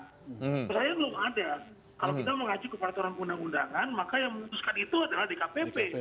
misalnya belum ada kalau kita mengajukan kepataran undang undangan maka yang mengutuskan itu adalah dkpp